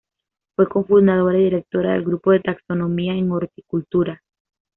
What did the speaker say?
Fue cofundadora y directora del "Grupo de Taxonomía en Horticultura".